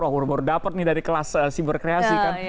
oh berdapet nih dari kelas siberkreasi kan